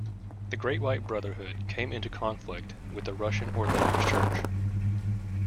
The Great White Brotherhood came into conflict with the Russian Orthodox Church.